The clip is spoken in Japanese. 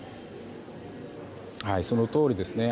そのとおりですね。